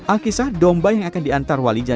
alkisah domba yang akan diantar walija